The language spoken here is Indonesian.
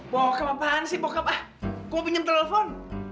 pokok apaan sih pokok apa kau mau pinjem telepon